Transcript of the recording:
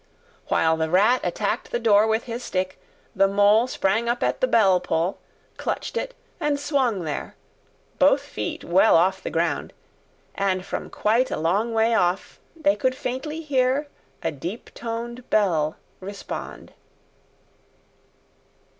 While the Rat attacked the door with his stick, the Mole sprang up at the bell pull, clutched it and swung there, both feet well off the ground, and from quite a long way off they could faintly hear a deep toned bell respond.